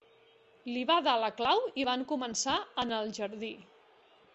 Li va dar la clau i van començar a n'el jardí